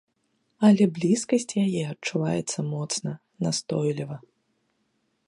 Але блізкасць яе адчуваецца моцна, настойліва.